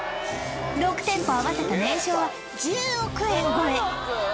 ６店舗合わせた年商は１０億円超え！